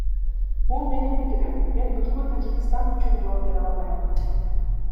Бул менин пикирим, мен бүткүл Тажикстан үчүн жооп бере албайм.